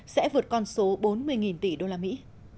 sẽ vượt con số bốn mươi tỷ đô la mỹ